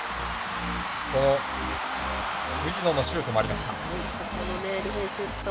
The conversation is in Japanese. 藤野のシュートもありました。